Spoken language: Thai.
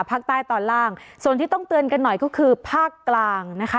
ภาคใต้ตอนล่างส่วนที่ต้องเตือนกันหน่อยก็คือภาคกลางนะคะ